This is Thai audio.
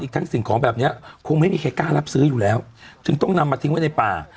ทั้งสิ่งของแบบนี้คงไม่มีใครกล้ารับซื้ออยู่แล้วจึงต้องนำมาทิ้งไว้ในป่า